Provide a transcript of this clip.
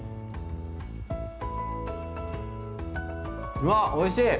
うわっおいしい！